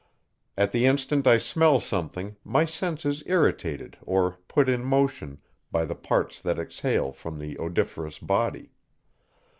At the instant I smell something, my sense is irritated, or put in motion, by the parts that exhale from the odoriferous body.